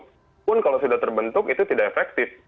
walaupun kalau sudah terbentuk itu tidak efektif